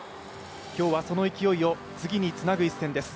今日はその勢いを次につなぐ一戦です。